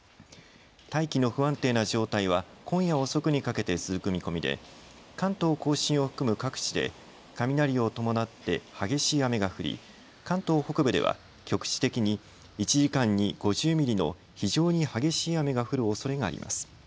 大気の不安定な状態は今夜遅くにかけて続く見込みで関東甲信を含む各地で雷を伴って激しい雨が降り関東北部では局地的に１時間に５０ミリの非常に激しい雨が降るおそれがあります。